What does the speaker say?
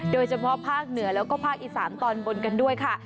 โดยเฉพาะภาคเหนือแล้วก็ภาคอีสานตอนบนกันด้วยค่ะ